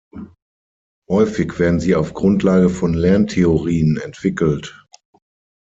Häufig werden sie auf Grundlage von Lerntheorien entwickelt.